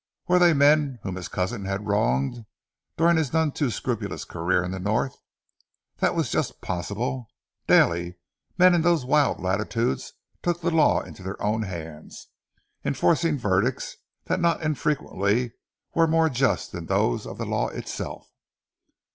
Were they men whom his cousin had wronged during his none too scrupulous career in the North? That was just possible. Daily, men in those wild latitudes took the law into their own hands, enforcing verdicts that not infrequently were more just than those of the law itself.